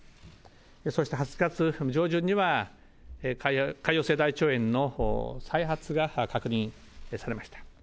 そして８月上旬には、潰瘍性大腸炎の再発が確認されました。